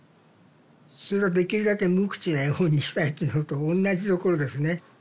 それはできるだけ無口な絵本にしたいっていうのとおんなじところですね。